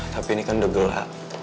tapi ini kan udah gelap